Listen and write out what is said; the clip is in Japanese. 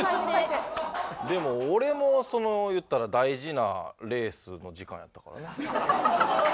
でも俺も言ったら大事なレースの時間やったからな。